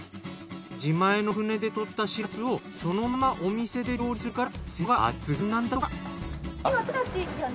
自前の船で獲ったしらすをそのままお店で料理するから鮮度が抜群なんだとか。